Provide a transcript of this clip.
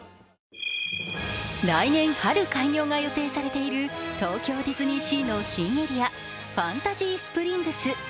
来年春開業が予定されている東京ディズニーシーの新エリアファンタジースプリングス。